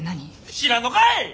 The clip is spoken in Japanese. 知らんのかい！